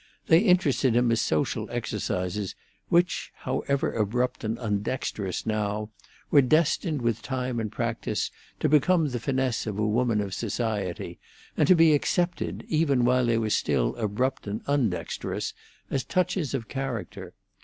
They interested him as social exercises which, however abrupt and undexterous now, were destined, with time and practice, to become the finesse of a woman of society, and to be accepted, even while they were still abrupt and undexterous, as touches of character.